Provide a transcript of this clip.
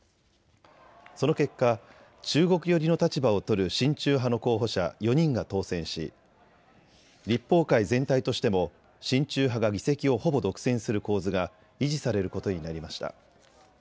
その結果、中国寄りの立場を取る親中派の候補者４人が当選し立法会全体としても親中派が議席をほぼ独占する構図が維持されることになりました。